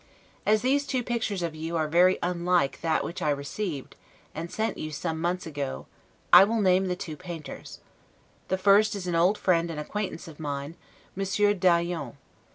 As these two pictures of you are very unlike that which I received, and sent you some months ago, I will name the two painters: the first is an old friend and acquaintance of mine, Monsieur d'Aillon.